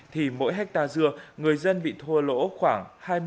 thì mỗi hectare dưa người dân bị thua lỗ khoảng hai mươi